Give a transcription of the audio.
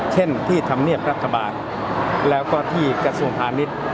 เช่นที่ธรรมเนียบรัฐบาลแล้วก็ที่กระทรวงพาณิชย์